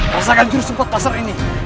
rasakan jurus sempat pasar ini